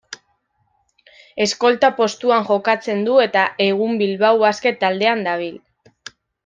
Eskolta postuan jokatzen du eta egun Bilbao Basket taldean dabil.